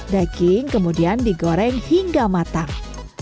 daging kemudian digoreng hingga matang